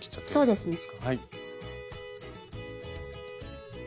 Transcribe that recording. そうですね。